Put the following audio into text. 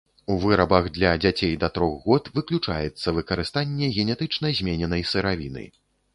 У вырабах для дзяцей да трох год выключаецца выкарыстанне генетычна змененай сыравіны.